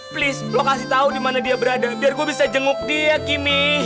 please lo kasih tau dimana dia berada biar gue bisa jenguk dia kimmy